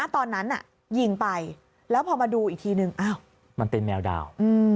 ตอนนั้นยิงไปแล้วพอมาดูอีกทีนึงมันเป็นแมวดาว